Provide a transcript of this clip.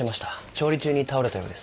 調理中に倒れたようです。